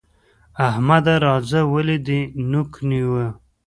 احمده! راځه ولې دې نوک نيو؟